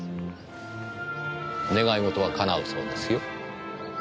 願い事が叶うそうですよ。